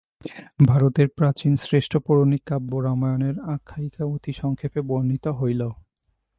ভারতের প্রাচীন শ্রেষ্ঠ পৌরাণিক কাব্য রামায়ণের আখ্যায়িকা অতি সংক্ষেপে বর্ণিত হইল।